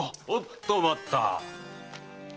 おっと待った！